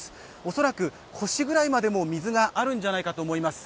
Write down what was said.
恐らく、腰ぐらいまでも水があるんじゃないかと思います。